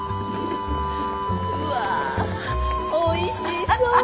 うわおいしそう！